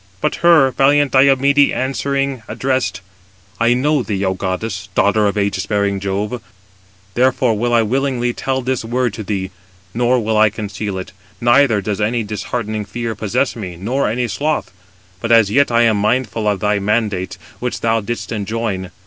But her valiant Diomede answering addressed: "I know thee, O goddess, daughter of ægis bearing Jove; therefore will I willingly tell this word to thee, nor will I conceal it. Neither does any disheartening fear possess me, nor any sloth: but as yet I am mindful of thy mandates, which thou didst enjoin.